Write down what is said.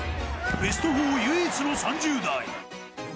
ベスト４、唯一の３０代。